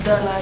udah lah ya